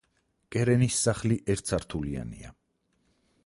კერენის სახლი ერთსართულიანია.